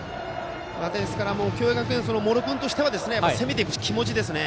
ですから共栄学園の茂呂君としては攻めていく気持ちですね。